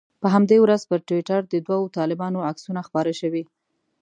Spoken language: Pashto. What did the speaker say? په همدې ورځ پر ټویټر د دوو طالبانو عکسونه خپاره شوي.